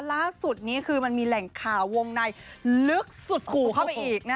ล่าสุดนี้คือมันมีแหล่งข่าววงในลึกสุดขู่เข้าไปอีก